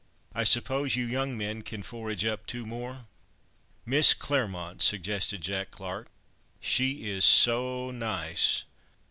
I suppose you young men can forage up two more?" "Miss Claremont!" suggested Jack Clarke. "She is so nice."